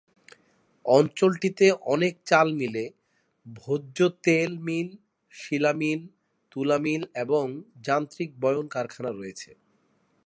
অঞ্চলটিতে অনেক চাল মিলে, ভোজ্য তেল মিল, শিলা মিল, তুলা মিল, এবং যান্ত্রিক বয়ন কারখানা রয়েছে।